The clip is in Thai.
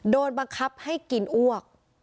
โดนบังคับให้กินอ้วก